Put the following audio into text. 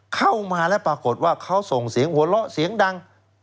เข้ามาแล้วปรากฏว่าเขาส่งเสียงหัวเราะเสียงดัง